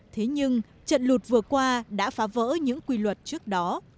thế nhưng trận lụt vừa qua đã phá vỡ những quy luật trước đó